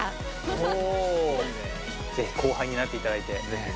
是非後輩になっていただいて。